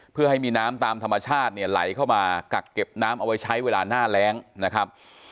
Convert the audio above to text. เพื่อให้มีน้ำตามธรรมชาติเนี่ยไหลเข้ามากักเก็บน้ำเอาไว้ใช้เวลาหน้าแรงนะครับ